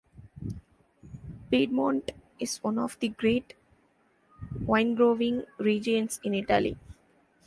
Piedmont is one of the great winegrowing regions in Italy.